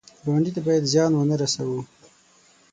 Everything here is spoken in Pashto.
ګاونډي ته باید زیان ونه رسوو